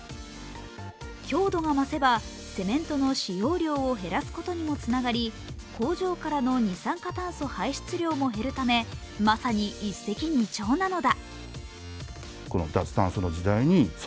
強度が増せばセメントの使用量を減らすことにもつながり、工場からの二酸化炭素排出量も減るため、まさに一石二鳥なのだ。